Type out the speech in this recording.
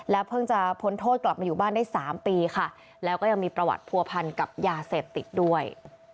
เพิ่งจะพ้นโทษกลับมาอยู่บ้านได้๓ปีค่ะแล้วก็ยังมีประวัติผัวพันกับยาเสพติดด้วย